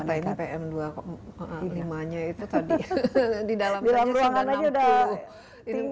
ya dan jakarta ini pm dua puluh lima nya itu tadi di dalam ruangan aja sudah tinggi